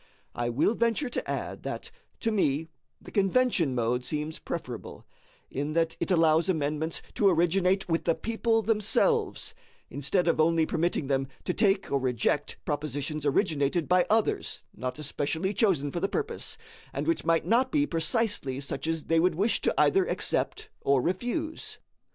I will venture to add that to me the convention mode seems preferable, in that it allows amendments to originate with the people themselves, instead of only permitting them to take or reject propositions originated by others not especially chosen for the purpose, and which might not be precisely such as they would wish to either accept or refuse.